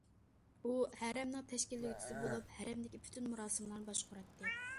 ئۇ ھەرەمنىڭ تەشكىللىگۈچىسى بولۇپ، ھەرەمدىكى پۈتۈن مۇراسىملارنى باشقۇراتتى.